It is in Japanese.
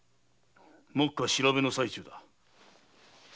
目下調べの最中だ。